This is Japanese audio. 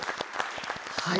はい！